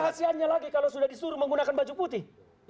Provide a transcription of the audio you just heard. kasiannya lagi kalau sudah disuruh menggunakan baju putih